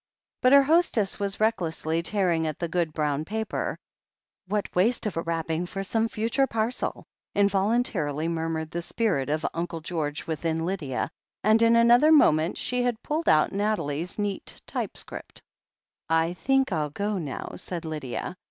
'' But her hostess was recklessly tearing at the good brown paper — "what waste of a wrapping for some future parcel" involimtarily murmured the spirit of Uncle George within Lydia — ^and in another moment she had pulled out Nathalie's neat tjrpescript "I think I'll go now," said Lydia.